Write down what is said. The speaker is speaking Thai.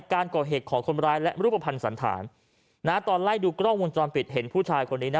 การก่อเหตุของคนร้ายและรูปภัณฑ์สันฐานตอนไล่ดูกล้องวงจรปิดเห็นผู้ชายคนนี้นะ